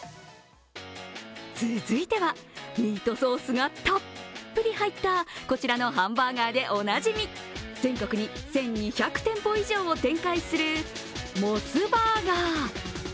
続いては、ミートソースがたっぷり入った、こちらのハンバーガーでおなじみ全国に１２００店舗以上を展開するモスバーガー。